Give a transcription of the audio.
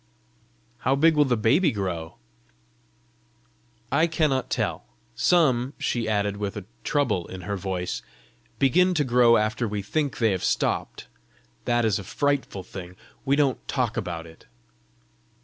"How big will the baby grow?" "I cannot tell. Some," she added, with a trouble in her voice, "begin to grow after we think they have stopped. That is a frightful thing. We don't talk about it!"